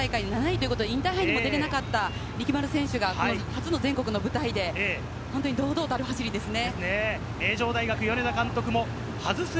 高校時代もインターハイ、東北大会で７位ということでインターハイにも出ていなかった力丸選手が初の全国の舞台で堂々たる走りですね。